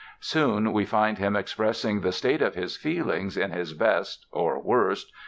Soon we find him expressing the state of his feelings in his best (or worst!)